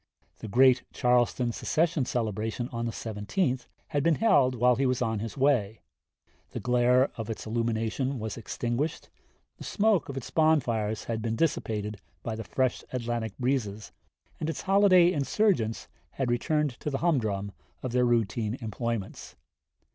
The great Charleston secession celebration on the 17th had been held while he was on his way; the glare of its illumination was extinguished, the smoke of its bonfires had been dissipated by the fresh Atlantic breezes, and its holiday insurgents had returned to the humdrum of their routine employments.